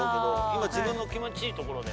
今自分の気持ちいいところで。